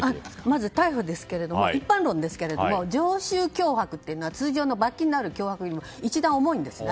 まず逮捕ですけど一般論ですけども常習脅迫っていうのは通常の罰金のある脅迫より一段、重いんですね。